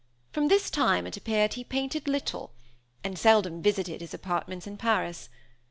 From this time, it appeared, he painted little; and seldom visited his apartments in Paris.